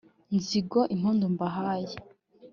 ngizo impundu mbahaye